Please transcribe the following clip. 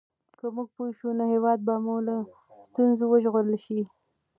که موږ پوه شو نو هېواد به مو له ستونزو وژغورل شي.